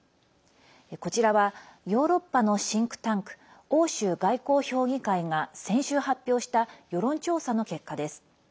こちらはヨーロッパのシンクタンク欧州外交評議会が先週発表した世論調査の結果です。